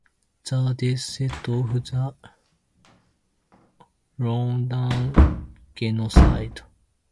The deaths set off the Rwandan Genocide.